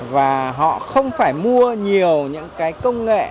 và họ không phải mua nhiều những công nghệ